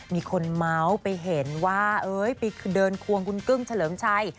มีคนเมาส์ไปเห็นว่าไปเดินควงคุณกึ้งเฉลิมชัย